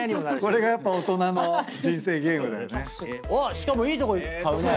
しかもいいとこ買うね。